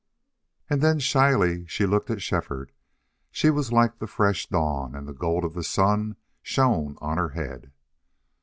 And then shyly she looked at Shefford. She was like the fresh dawn, and the gold of the sun shone on her head.